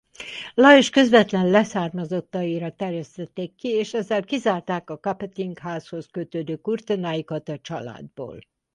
Lajos közvetlen leszármazottaira terjesztették ki és ezzel kizárták a Capeting-házhoz kötődő Courtenay-okat a családból.